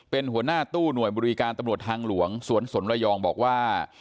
เป็นหัวหน้าตู้หน่วยบริการตำรวจทางหลวงสวนสนระยองบอกว่า